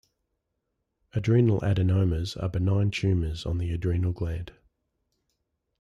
Adrenal Adenomas are benign tumors on the adrenal gland.